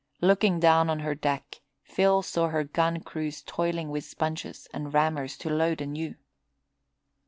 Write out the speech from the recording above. Looking down on her deck, Phil saw her gun crews toiling with sponges and rammers to load anew.